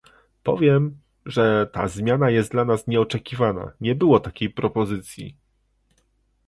Powiem, że ta zmiana jest dla nas nieoczekiwana, nie było takiej propozycji